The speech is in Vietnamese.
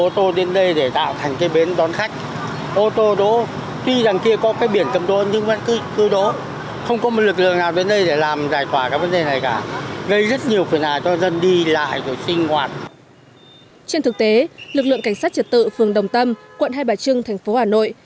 trên thực tế lực lượng cảnh sát trật tự phường đồng tâm quận hai bà trưng thành phố hà nội